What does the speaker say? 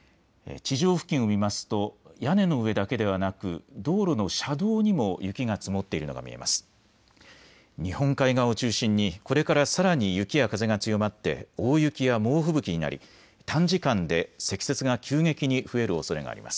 地上付近を見ますと屋根の上だけではなく道路の車道にも雪が積もっているのが見えます。